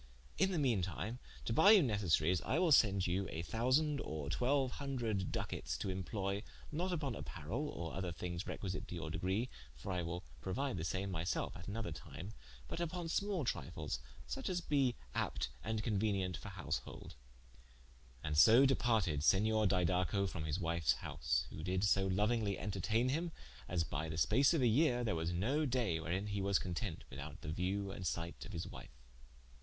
In the mean time to buye you necessaries, I will sende you a thousande, or twelue hundred Ducates, to imploye not vpon apparell, or other things requisite to your degree (for I will prouide the same my selfe at an other time) but vpon small trifles, such as be apt and conuenient for householde." And so departed Senior Didaco from his wiue's house: who did so louingly interteigne him as by the space of a yeare, there was no daye wherein he was content without the view and sight of his wife.